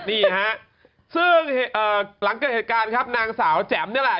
นี่ฮะซึ่งหลังเกิดเหตุการณ์ครับนางสาวแจ๋มนี่แหละ